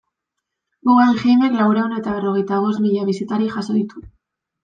Guggenheimek laurehun eta berrogeita bost mila bisitari jaso ditu.